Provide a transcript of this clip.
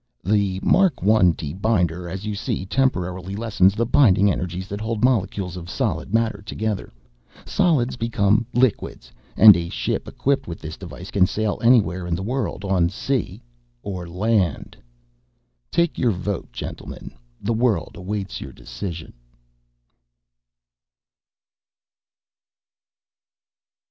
"The Mark 1 Debinder, as you see, temporarily lessens the binding energies that hold molecules of solid matter together. Solids become liquids, and a ship equipped with this device can sail anywhere in the world on sea or land. Take your vote, gentlemen; the world awaits your decision."